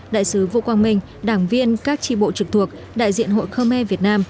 đại sứ vũ quang minh đảng viên các tri bộ trực thuộc đại diện hội khơ me việt nam